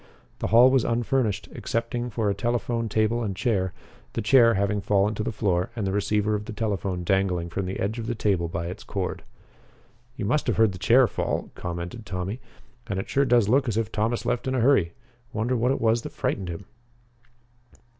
The hall was unfurnished, excepting for a telephone table and chair, the chair having fallen to the floor and the receiver of the telephone dangling from the edge of the table by its cord. "You must have heard the chair fall," commented Tommy, "and it sure does look as if Thomas left in a hurry. Wonder what it was that frightened him?"